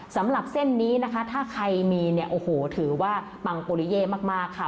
สำหรับเส้นนี้นะคะถ้าใครมีเนี่ยโอ้โหถือว่าปังปุริเย่มากค่ะ